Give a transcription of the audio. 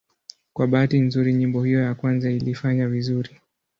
Kwa bahati nzuri nyimbo hiyo ya kwanza ilifanya vizuri.